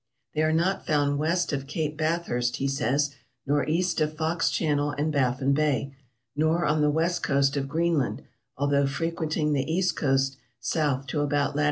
"They are not found west of Cape Bathhurst," he says, "nor east of Fox Channel and Baffin Bay, nor on the west coast of Greenland, although frequenting the east coast south to about lat.